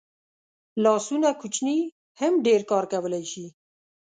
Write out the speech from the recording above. لاسونه کوچني هم ډېر کار کولی شي